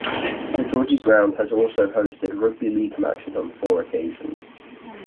The Gorgie ground has also hosted rugby league matches on four occasions.